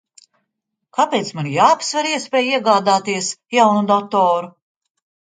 Kāpēc man jāapsver iespēja iegādāties jaunu datoru?